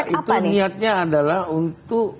itu niatnya adalah untuk